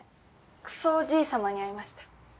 クソおじい様に会いました。